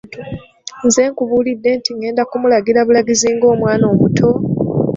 Nze nkubuulidde nti ng'enda kumulagira bulagizi ng'omwana omuto?